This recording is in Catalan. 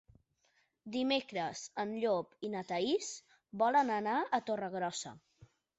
Dimecres en Llop i na Thaís volen anar a Torregrossa.